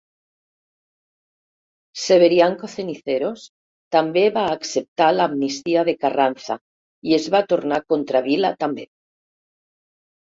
Severianco Ceniceros també va acceptar l'amnistia de Carranza i es va tornar contra Vila també.